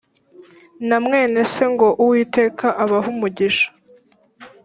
na mwene se ngo uwiteka abahe umugisha uyu